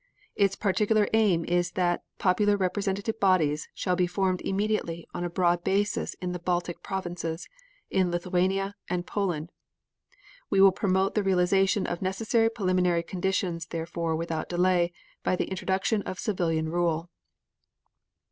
Its particular aim is that popular representative bodies shall be formed immediately on a broad basis in the Baltic provinces, in Lithuania and Poland. We will promote the realization of necessary preliminary conditions therefore without delay by the introduction of civilian rule.